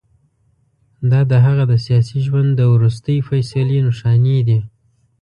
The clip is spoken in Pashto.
دا د هغه د سیاسي ژوند د وروستۍ فیصلې نښانې دي.